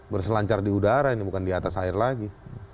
berselancar di udara ini bukan di atas air lagi